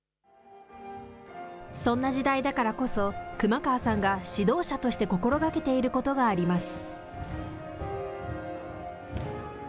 そんな時代だからこそ、熊川さんが指導者として心がけていることがあります。